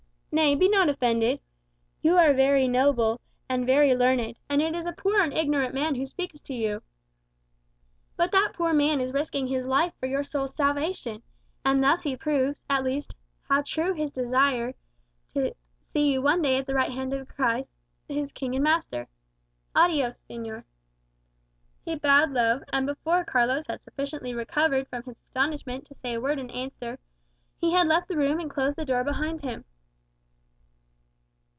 Nay, be not offended. You are very noble and very learned; and it is a poor and ignorant man who speaks to you. But that poor man is risking his life for your soul's salvation; and thus he proves, at least, how true his desire to see you one day at the right hand of Christ, his King and Master. Adiõs, señor." He bowed low; and before Carlos had sufficiently recovered from his astonishment to say a word in answer, he had left the room and closed the door behind him.